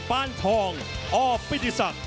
ปานทองอปิฏิสัตย์